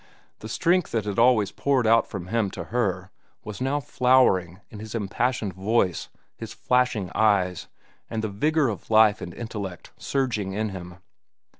The strength that had always poured out from him to her was now flowering in his impassioned voice, his flashing eyes, and the vigor of life and intellect surging in him.